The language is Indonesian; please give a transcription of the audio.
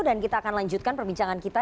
dan kita akan lanjutkan perbincangan kita